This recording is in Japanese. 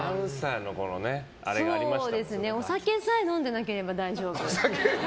お酒さえ飲んでなければ大丈夫。